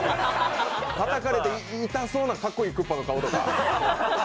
たたかれて痛そうな、かっこいいクッパの顔とか。